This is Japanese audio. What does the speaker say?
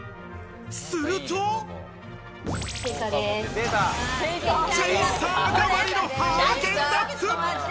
すると、チェイサー代わりのハーゲンダッツ。